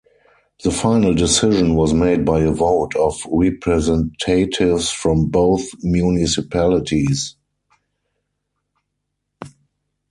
The final decision was made by a vote of representatives from both municipalities.